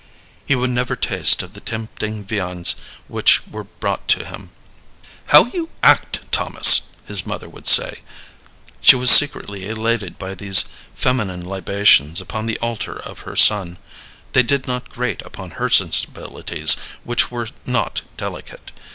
He would never taste of the tempting viands which were brought to him. "How you act, Thomas!" his mother would say. She was secretly elated by these feminine libations upon the altar of her son. They did not grate upon her sensibilities, which were not delicate.